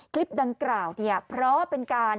คลิปดังกล่าวเนี่ยเพราะเป็นการ